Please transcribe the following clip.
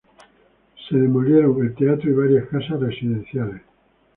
Se demolieron el teatro y varias casas residenciales.